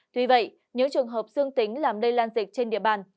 tuy vậy nếu trường hợp dương tính làm lây lan dịch trên địa bàn